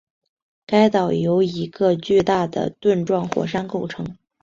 该岛由一个巨大的盾状火山构成